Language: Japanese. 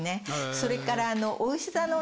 それから。